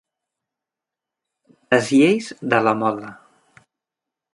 Les lleis de la moda.